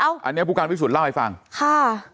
อ้าวอันนี้ปุกการณ์พิสูจน์เล่าให้ฟังค่ะ